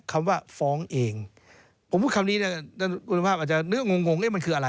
คำว่าฟ้องเองผมพูดคำนี้นะคุณภาพอาจจะนึกงงงเอ๊ะมันคืออะไร